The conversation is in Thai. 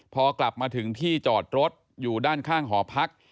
พอกลับมาถึงที่จอดรถอยู่ด้านข้างหอพัก